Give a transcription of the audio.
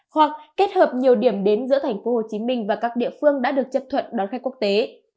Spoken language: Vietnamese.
hoặc kết hợp nhiều điểm đến giữa thành phố hồ chí minh và các địa phương đã được chấp thuận đón khách quốc tế